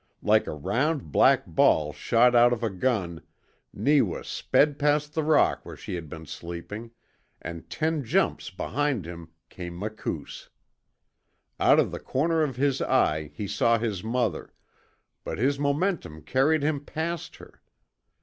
Like a round black ball shot out of a gun Neewa sped past the rock where she had been sleeping, and ten jumps behind him came Makoos. Out of the corner of his eye he saw his mother, but his momentum carried him past her.